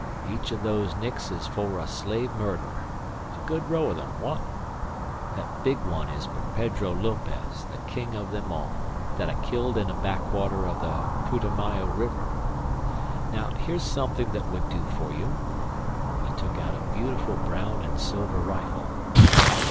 Each of those nicks is for a slave murderer a good row of them what? That big one is for Pedro Lopez, the king of them all, that I killed in a backwater of the Putomayo River. Now, here's something that would do for you." He took out a beautiful brown and silver rifle.